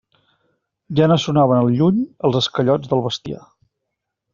Ja no sonaven al lluny els esquellots del bestiar.